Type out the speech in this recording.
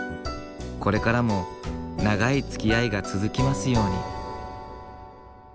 これからも長いつきあいが続きますように。